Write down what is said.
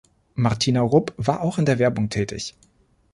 Martina Rupp war auch in der Werbung tätig.